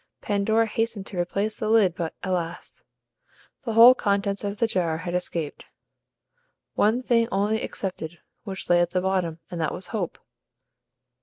Pandora hastened to replace the lid! but, alas! the whole contents of the jar had escaped, one thing only excepted, which lay at the bottom, and that was HOPE.